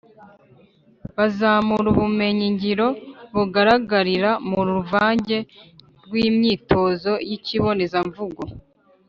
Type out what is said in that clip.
bazamura ubumenyi ngiro bugaragarira mu ruvange rw’imyitozo y’ikibonezamvugo